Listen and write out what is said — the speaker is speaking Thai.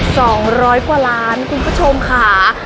สองร้อยกว่าล้านคุณผู้ชมค่ะ